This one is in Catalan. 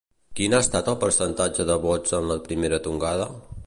Quin ha estat el percentatge de vots en la primera tongada?